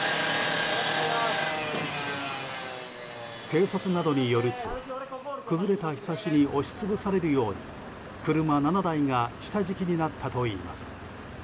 警察などによると崩れたひさしに押し潰されるように車７台が下敷きになったといいます。